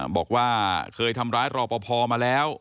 บอกว่าเคยทำร้ายรอปภมาแล้ว